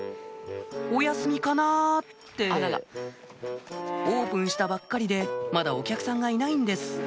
お休みかなってオープンしたばっかりでまだお客さんがいないんです